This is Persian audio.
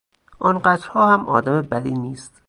آنقدرها هم آدم بدی نیست.